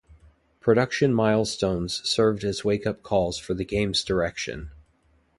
Production milestones served as wake-up calls for the game's direction.